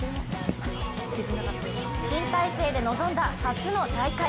新体制で臨んだ初の大会。